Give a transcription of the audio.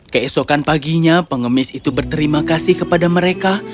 keesokan paginya pengemis itu berterima kasih kepada mereka